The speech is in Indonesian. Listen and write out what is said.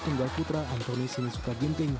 di ganda putra antoni sinisuka